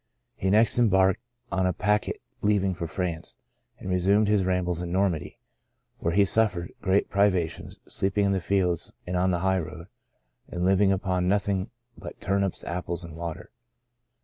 He next embarked on a packet leaving for France, and re sumed his rambles in Normandy, where he suffered great privations, sleeping in the fields and on the high road, and living upon nothing but turnips, apples, and water.